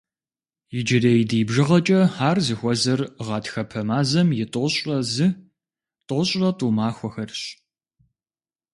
Иджырей ди бжыгъэкӏэ ар зыхуэзэр гъатхэпэ мазэм и тӏощӏрэ зы-тӏощӏрэ тӏу махуэхэрщ.